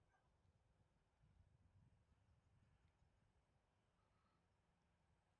তিনি উসমানীয় সাম্রাজ্যের ভাগ্য বিপর্যয় রোধ করতে পারেননি।